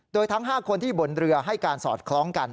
โดยทั้ง๕คนที่บนเรือให้การสอดคล้องกัน